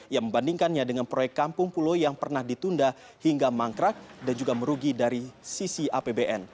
yang membandingkannya dengan proyek kampung pulau yang pernah ditunda hingga mangkrak dan juga merugi dari sisi apbn